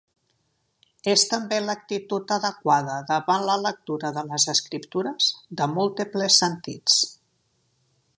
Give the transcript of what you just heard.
És també l'actitud adequada davant la lectura de les Escriptures, de múltiples sentits.